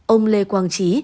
ông lê quang trí